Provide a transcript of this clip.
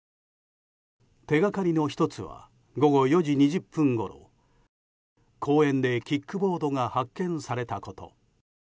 手がかりの１つは午後４時２０分ごろ公園でキックボードが発見されたこと。